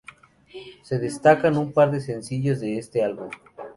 Se destacan un par de sencillos de este álbum.